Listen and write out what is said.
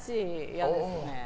嫌ですね。